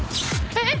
えっ！？